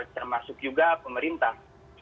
termasuk juga pemerintah